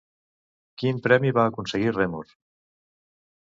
Quin premi va aconseguir Remor?